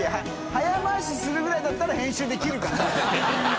甓鵑するぐらいだったら編集で切るから。